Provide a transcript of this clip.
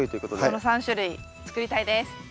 その３種類作りたいです。